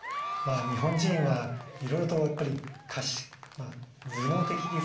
日本人はいろいろとやっぱり頭脳的ですよね。